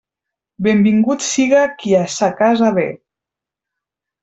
Benvingut siga qui a sa casa ve.